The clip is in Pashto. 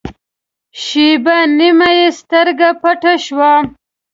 شېبه نیمه یې سترګه پټه شوه.